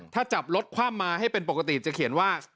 ถ้าจับรถคว่ำมาให้เป็นปกติจะเขียนว่า